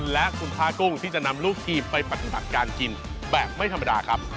และคุณผ้ากุ้งที่จะนำลูกทีมไปปฏิบัติการกินแบบไม่ธรรมดาครับ